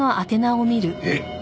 えっ！